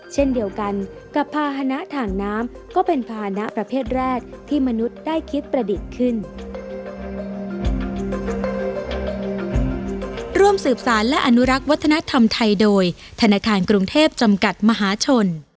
เช่นเดียวกันกับภาษณะทางน้ำก็เป็นภานะประเภทแรกที่มนุษย์ได้คิดประดิษฐ์ขึ้น